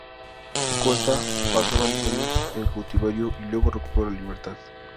Costa pasó varios años en cautiverio y luego recuperó la libertad.